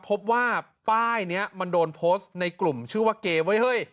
พบว่าป้ายนี้มันโดนโพสต์ในกลุ่มชื่อว่าเกไว้เฮ้ย